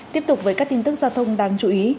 tiếp tục với các tin tức giao thông đáng chú ý